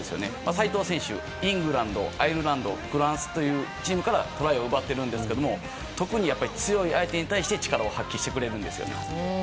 齋藤選手はイングランドアイルランド、フランスというチームからトライを奪っているんですけど特に強い相手に対して力を発揮してくれるんですよね。